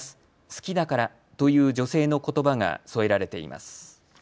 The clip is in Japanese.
好きだからという女性のことばが添えられています。